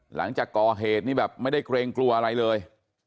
หลังจากก่อเหตุนี่แบบไม่ได้เกรงกลัวอะไรเลย